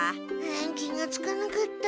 気がつかなかった。